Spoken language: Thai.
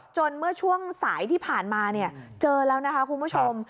เมื่อช่วงสายที่ผ่านมาเนี่ยเจอแล้วนะคะคุณผู้ชม